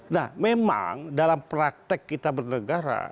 nah memang dalam praktek kita bernegara